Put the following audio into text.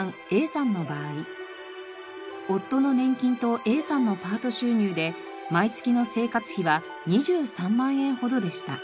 夫の年金とＡさんのパート収入で毎月の生活費は２３万円ほどでした。